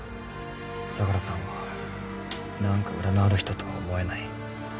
相良さんは何か裏のある人とは思えない。